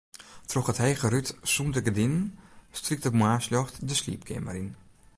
Troch it hege rút sûnder gerdinen strykt it moarnsljocht de sliepkeamer yn.